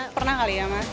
pernah kali ya mas